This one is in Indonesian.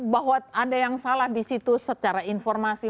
bahwa ada yang salah di situ secara informasi